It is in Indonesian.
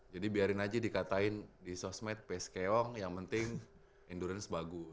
jadi biarin aja dikatain di sosmed pskong yang penting endurance bagus